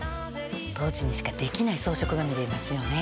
当時にしかできない装飾が見れますよね。